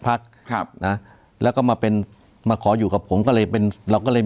พักครับนะแล้วก็มาเป็นมาขออยู่กับผมก็เลยเป็นเราก็เลย